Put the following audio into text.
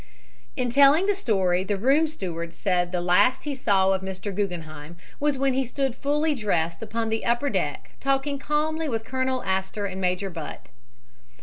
'" In telling the story the room steward said the last he saw of Mr. Guggenheim was when he stood fully dressed upon the upper deck talking calmly with Colonel Astor and Major Butt.